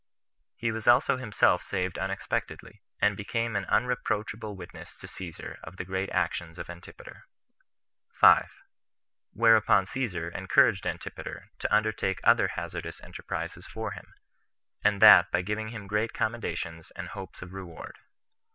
He was also himself saved unexpectedly, and became an unreproachable witness to Caesar of the great actions of Antipater. 5. Whereupon Caesar encouraged Antipater to undertake other hazardous enterprises for him, and that by giving him great commendations and hopes of reward.